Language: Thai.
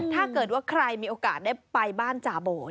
ถ้าเกิดว่าใครมีโอกาสได้ไปบ้านจาโบด